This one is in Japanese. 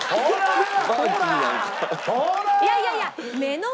いやいやいや。